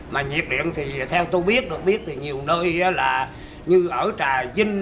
mà nhiệt điện thì theo tôi biết được biết thì nhiều nơi là như ở trà vinh